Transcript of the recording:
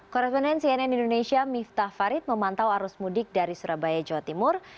koresponden cnn indonesia miftah farid memantau arus mudik dari surabaya jawa timur